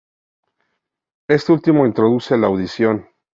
Este último introduce la audición.